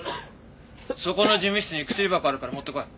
そこの事務室に薬箱あるから持ってこい。